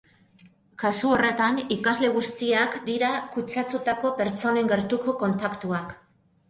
Kasu horretan, ikasle guztiak dira kutsatutako pertsonen gertuko kontaktuak.